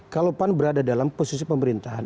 kalau pan berada dalam posisi pemerintahan